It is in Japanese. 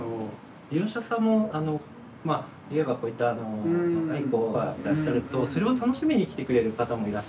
利用者さんもまあいわばこういった若い子がいらっしゃるとそれを楽しみに来てくれる方もいらっしゃるので。